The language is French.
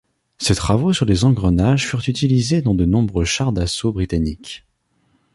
Ses travaux sur les engrenages furent utilisés dans de nombreux chars d'assaut Britanniques.